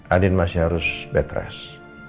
andin masih harus bed rest